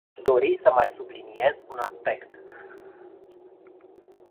Aș dori să mai subliniez un aspect.